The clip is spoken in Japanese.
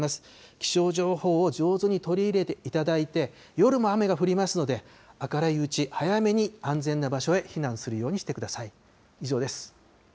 気象情報を上手に取り入れていただいて、夜も雨が降りますので、明るいうち、早めに安全な場所へ避難するようにしてください。